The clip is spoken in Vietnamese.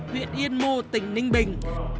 huyện yên mô tỉnh ninh bình